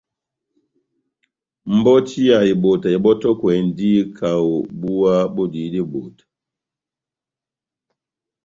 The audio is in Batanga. Mbɔti ya ebota ebɔ́tɔkwɛndi kaho búwa bodihidi ebota.